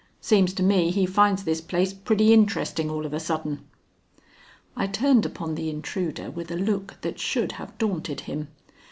"Seems to me he finds this place pretty interesting all of a sudden." I turned upon the intruder with a look that should have daunted him.